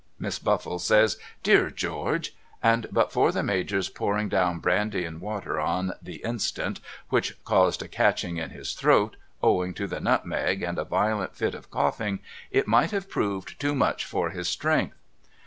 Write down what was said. ' Miss Buffle says ' Dear George I ' and but for the Major's pouring down brandy and water on the instant which caused a catching in his throat owing to the nutmeg and a violent fit of coughing it might have proved too much for his strength.